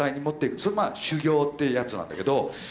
それまあ修行っていうやつなんだけど。